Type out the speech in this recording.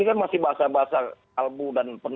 ini kan masih bahasa bahasa albu dan penuh